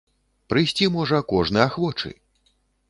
Прыйсці можа кожны ахвочы!